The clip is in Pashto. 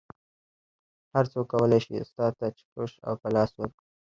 هر څوک کولی شي استاد ته چکش او پلاس ورکړي